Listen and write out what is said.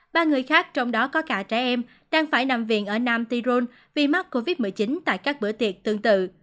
ba người khác trong đó có cả trẻ em đang phải nằm viện ở nam tirone vì mắc covid một mươi chín tại các bữa tiệc tương tự